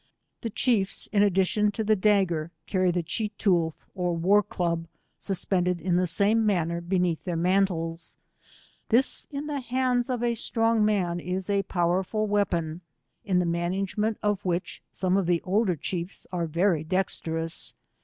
Ths chiefs, in addition to the dagger, carry the cheetoUh^ or war club suspended in the same manner beneath their mantles; this in the hands of a strong man, is a powerful weapon, in the management of which, gome of the older chiefs are very dexterous.